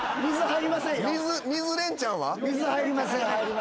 入りません。